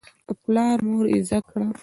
پلار مور عزت کړه.